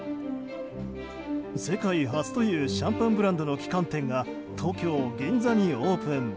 世界初というシャンパンブランドの旗艦店が東京・銀座にオープン。